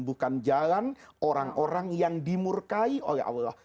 bukan jalan orang orang yang dimurkai oleh allah